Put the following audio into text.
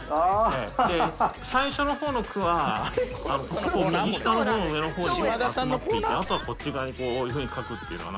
で、最初のほうの句は、右下のほうの上のほうに、集まっていて、あとはこっち側にこういうふうに書くっていうのは。